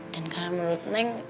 dan karena menurut neng